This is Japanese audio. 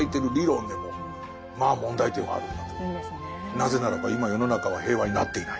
なぜならば今世の中は平和になっていない。